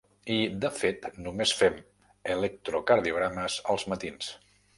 I, de fet, només fem electrocardiogrames els matins.